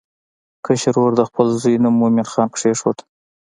کشر ورور د خپل زوی نوم مومن خان کېښود.